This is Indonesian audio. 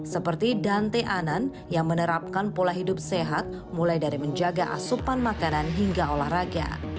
seperti dante anan yang menerapkan pola hidup sehat mulai dari menjaga asupan makanan hingga olahraga